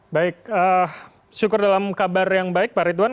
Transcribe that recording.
baik syukur dalam kabar yang baik pak ridwan